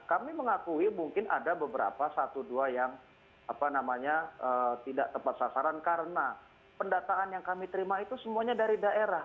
kami mengakui mungkin ada beberapa satu dua yang tidak tepat sasaran karena pendataan yang kami terima itu semuanya dari daerah